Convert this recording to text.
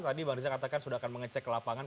tadi bang riza katakan sudah akan mengecek lapangan